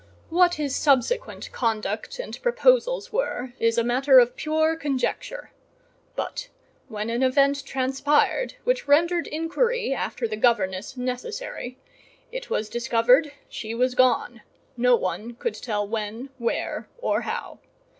What his subsequent conduct and proposals were is a matter of pure conjecture; but when an event transpired which rendered inquiry after the governess necessary, it was discovered she was gone—no one could tell when, where, or how.